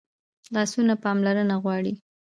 لاسونه پاملرنه غواړي